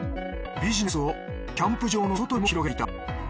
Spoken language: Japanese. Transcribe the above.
ビジネスをキャンプ場の外にも広げていた。